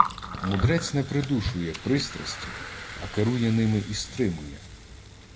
Мудрець не придушує пристрасті, а керує ними і стримує.